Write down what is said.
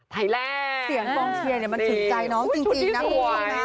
ไทยแลนด์เสียงความเชียร์เนี้ยมันถึงใจน้องจริงจริงนะ